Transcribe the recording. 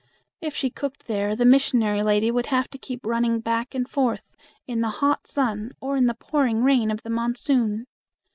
If she cooked there, the missionary lady would have to keep running back and forth in the hot sun or in the pouring rain of the monsoon.